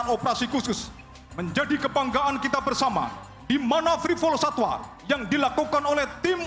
operasi khusus menjadi kebanggaan kita bersama dimana free fall satwa yang dilakukan oleh tim